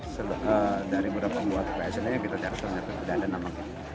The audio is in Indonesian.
sebenarnya kita cek tapi tidak ada nama